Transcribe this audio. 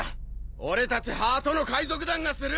俺たちハートの海賊団がする！